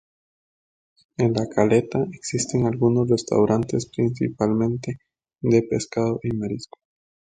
En la caleta existen algunos restaurantes principalmente de pescados y mariscos.